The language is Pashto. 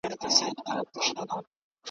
خو زه دي ونه لیدم .